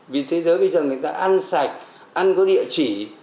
vì thế giới bây giờ người ta ăn sạch ăn có địa chỉ